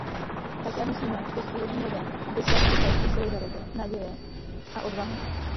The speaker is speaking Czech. Také musíme postiženým lidem vyslat poselství solidarity, naděje a odvahy.